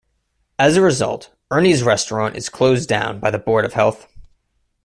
As a result, Ernie's restaurant is closed down by the Board of Health.